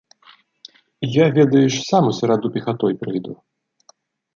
Я, ведаеш, сам у сераду пехатой прыйду.